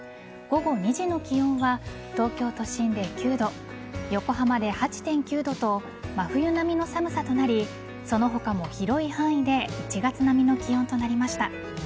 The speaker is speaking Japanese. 午後２時の気温は東京都心で９度横浜で８．９度と真冬並みの寒さとなりその他も広い範囲で１月並みの気温となりました。